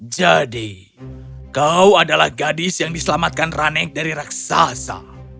jadi kau adalah gadis yang diselamatkan rane dari raksasa